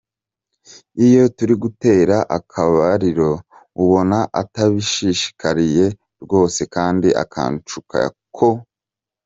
Iyo turi gutera akabariro ubona atabishishikariye rwose kandi akanshuka ko.